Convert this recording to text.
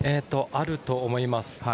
あると思います。